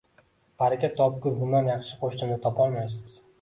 Baraka topgur, bundan yaxshi qoʻshnini topolmaysiz